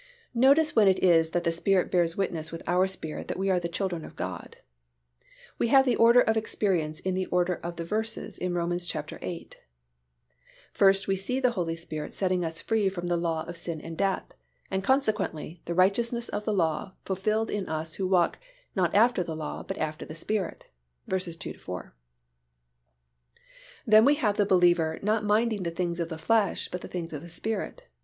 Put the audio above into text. Notice when it is that the Spirit bears witness with our spirit that we are the children of God. We have the order of experience in the order of the verses in Rom. viii. First we see the Holy Spirit setting us free from the law of sin and death, and consequently, the righteousness of the law fulfilled in us who walk not after the law but after the Spirit (vs. 2 4); then we have the believer not minding the things of the flesh but the things of the Spirit (v.